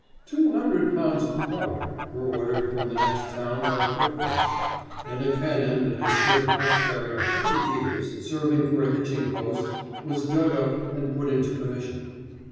"Two hundred pounds of powder" were ordered from the next town by foot post, and a cannon that had stood half buried a hundred years, serving for a hitching post, was dug up and put into commission.